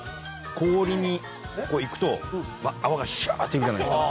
氷にいくと泡がシュワっていくじゃないですか。